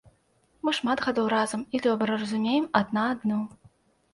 Мы шмат гадоў разам і добра разумеем адна адну.